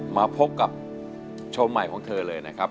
มาพบกับโชว์ใหม่ของเธอเลยนะครับ